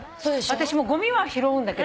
私もごみは拾うんだけども。